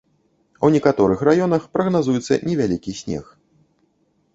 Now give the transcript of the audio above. У некаторых раёнах прагназуецца невялікі снег.